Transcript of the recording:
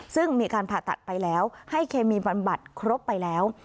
ซึ่งมีการผ่าตัดไปแล้วให้เคมีบำบัดครบไปแล้ว